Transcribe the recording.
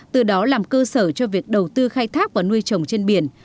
từ đó làm cơ sở cho việc đầu tư khai thác và nuôi trồng trên biển